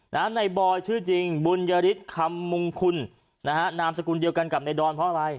นายบอยชื่อจริงบุญยฤทธิ์คำมงคุณนะฮะนามสกุลเดียวกันกับในดอนเพราะอะไร